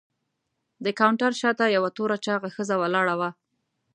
د کاونټر شاته یوه توره چاغه ښځه ولاړه وه.